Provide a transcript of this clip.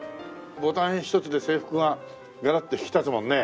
ボタンひとつで制服ががらっと引き立つもんね。